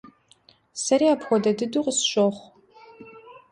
Сэри апхуэдэ дыду къысщохъу.